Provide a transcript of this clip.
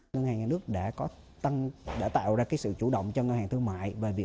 ngân hàng nhà nước đã tạo ra sự chủ động cho ngân hàng thương mại